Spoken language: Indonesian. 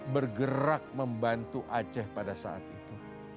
bergerak membantu aceh pada saat itu